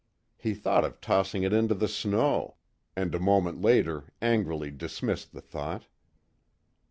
He thought of tossing it into the snow and a moment later, angrily dismissed the thought.